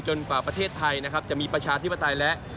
กว่าประเทศไทยนะครับจะมีประชาธิปไตยและ